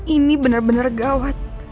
ini bener bener gawat